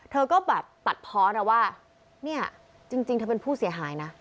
เธอก็แบบตัดเพาะนะว่าเนี่ยจริงเธอเป็นผู้เสียหายนะ